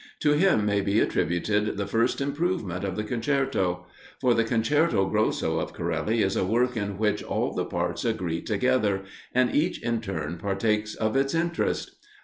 To him may be attributed the first improvement of the concerto; for the concerto grosso of Corelli is a work in which all the parts agree together, and each in turn partakes of its interest.